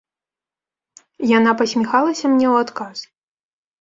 Яна пасміхалася мне ў адказ.